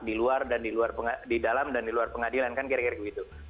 di luar dan di luar pengadilan kan kira kira begitu